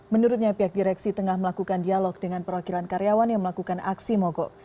menurutnya pihak direksi tengah melakukan dialog dengan perwakilan karyawan yang melakukan aksi mogok